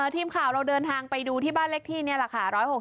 ทีมข่าวเราเดินทางไปดูที่บ้านเลขที่นี่แหละค่ะ